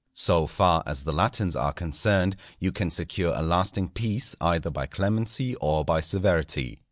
So far as the Latins are concerned, you can secure a lasting peace either by clemency or by severity.